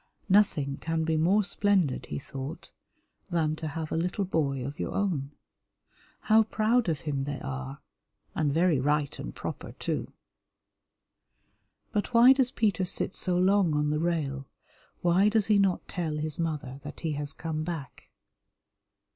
Nothing can be more splendid, he thought, than to have a little boy of your own. How proud of him they are; and very right and proper, too. But why does Peter sit so long on the rail, why does he not tell his mother that he has come back?